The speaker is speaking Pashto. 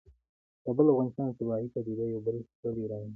کابل د افغانستان د طبیعي پدیدو یو بل ښکلی رنګ دی.